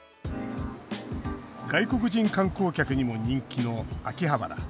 外国人観光客にも人気の秋葉原。